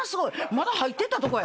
まだ入ってったとこや。